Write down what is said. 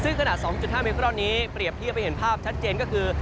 ซึ่งขนาด๒๕มิครอนนี้เปรียบเทียบให้เห็นภาพชัดเจนก็คือ